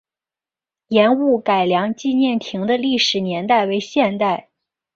盐务改良纪念亭的历史年代为现代。